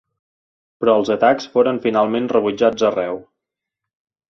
Però els atacs foren finalment rebutjats arreu.